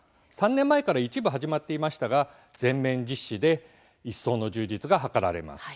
３年前から一部始まっていましたが全面実施で一層の充実が図られます。